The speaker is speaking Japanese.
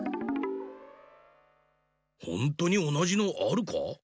ほんとにおなじのあるか？